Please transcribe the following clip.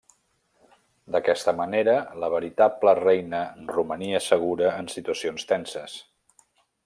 D'aquesta manera la veritable reina romania segura en situacions tenses.